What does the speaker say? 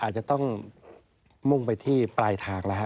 อาจจะต้องมุ่งไปที่ปลายทางแล้วฮะ